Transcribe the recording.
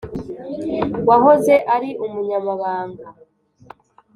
wahoze ari umunyamabanga